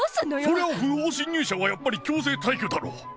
「そりゃあ、不法侵入者はやっぱり強制退去だろ」。